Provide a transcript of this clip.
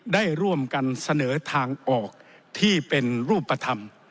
ได้ร่วมกันเสนอทางออกที่เป็นรูปธรรม